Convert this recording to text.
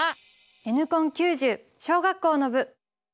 「Ｎコン９０」小学校の部！